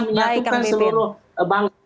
menyatukan seluruh bangsa